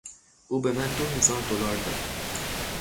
او به من دو هزار دلار داد.